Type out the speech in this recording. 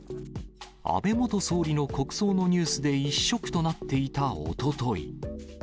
安倍元総理の国葬のニュースで一色となっていたおととい。